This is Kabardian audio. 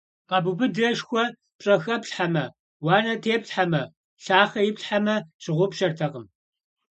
Къэбубыдрэ шхуэ пщӀэхэплъхьэмэ, уанэ теплъхьэмэ, лъахъэ иплъхьэмэ, щыгъупщэртэкъым.